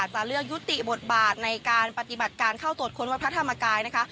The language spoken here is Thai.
จะเลือกยุติบทบาทในการปฏิบัติการเข้าตรวจค้นวัดพระธรรมกายนะคะ